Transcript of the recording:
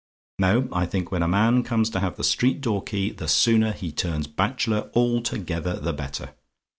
"No, I think when a man comes to have the street door key, the sooner he turns bachelor altogether the better.